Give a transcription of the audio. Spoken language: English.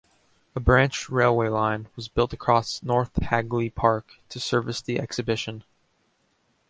A branch railway line was built across North Hagley Park to service the exhibition.